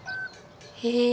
へえ！